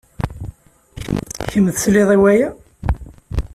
Kemm tesliḍ i waya?